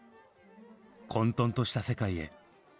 混とんとした世界へ。